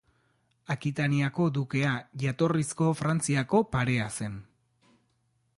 Akitaniako dukea jatorrizko Frantziako parea zen.